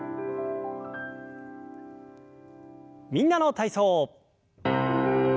「みんなの体操」。